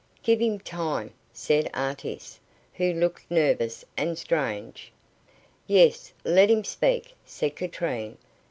"Give him time," said Artis, who looked nervous and strange. "Yes, let him speak," said Katrine.